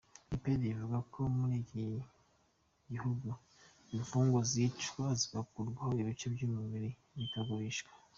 Wikipedia ivuga ko muri iki gihugu imfungwa zicwa zigakurwaho ibice by’umubiri bikagurishwa.